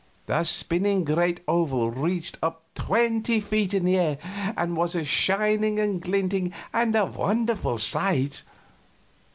The spinning great oval reached up twenty feet in the air and was a shining and glinting and wonderful sight.